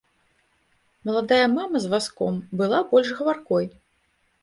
Маладая мама з вазком была больш гаваркой.